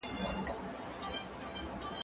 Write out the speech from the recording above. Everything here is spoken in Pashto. زه انځورونه رسم کړي دي،